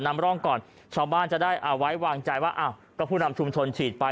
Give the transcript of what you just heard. นำร่องก่อนชาวบ้านจะได้เอาไว้วางใจว่าอ้าวก็ผู้นำชุมชนฉีดไป